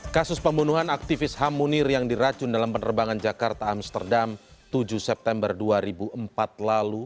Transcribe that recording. kasus pembunuhan aktivis ham munir yang diracun dalam penerbangan jakarta amsterdam tujuh september dua ribu empat lalu